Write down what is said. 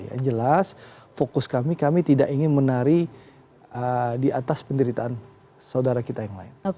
yang jelas fokus kami kami tidak ingin menari di atas penderitaan saudara kita yang lain